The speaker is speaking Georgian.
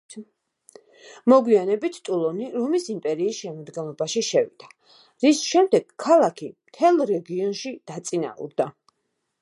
მოგვიანებით ტულონი რომის იმპერიის შემადგენლობაში შევიდა, რის შემდეგ ქალაქი მთელ რეგიონში დაწინაურდა.